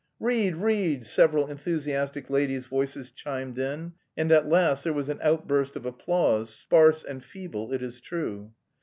"Read, read!" several enthusiastic ladies' voices chimed in, and at last there was an outburst of applause, sparse and feeble, it is true.